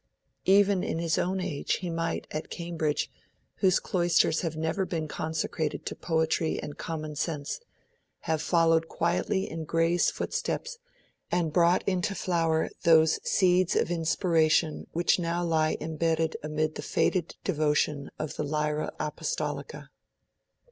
Even in his own age he might, at Cambridge, whose cloisters have ever been consecrated to poetry and common sense, have followed quietly in Gray's footsteps and brought into flower those seeds of inspiration which now lie embedded amid the faded devotion of the Lyra Apostolica.